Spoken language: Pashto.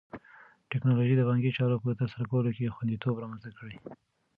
ټیکنالوژي د بانکي چارو په ترسره کولو کې خوندیتوب رامنځته کړی.